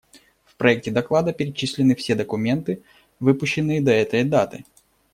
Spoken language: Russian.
В проекте доклада перечислены все документы, выпущенные до этой даты.